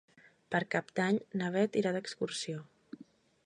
Per Cap d'Any na Bet irà d'excursió.